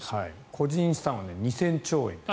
個人資産は２０００兆円です。